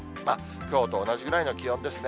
きょうと同じぐらいの気温ですね。